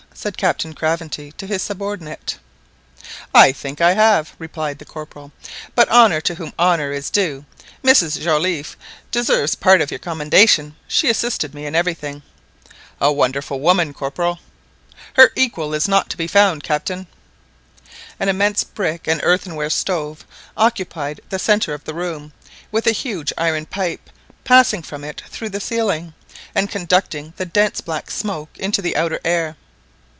said Captain Craventy to his subordinate. "I think I have, I think I have !" replied the Corporal; "but honour to whom honour is due, Mrs Joliffe deserves part of your commendation; she assisted me in everything." "A wonderful woman, Corporal." "Her equal is not to be found, Captain." An immense brick and earthenware stove occupied the centre of the room, with a huge iron pipe passing from it through the ceiling, and conducting the dense black smoke into the outer air.